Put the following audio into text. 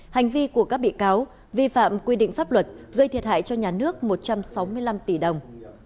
hành vi của các bị cáo vi phạm quy định pháp luật gây thiệt hại cho nhà nước một trăm sáu mươi năm tỷ đồng